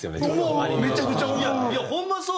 めちゃくちゃ思う！